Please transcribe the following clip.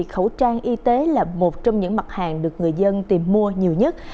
khẩu trang y tế là một trong những mặt hàng được người dân tìm mua nhiều nhất